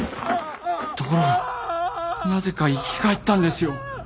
ところがなぜか生き返ったんですよ。